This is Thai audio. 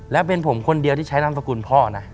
และเป็นผมคนเดียวที่ใช้นามสกุลพ่อนะ